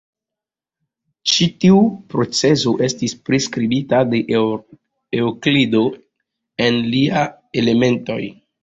Ĉi tiu procezo estis priskribita de Eŭklido en lia "Elementoj".